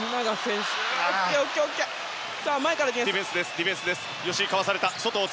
ディフェンスです。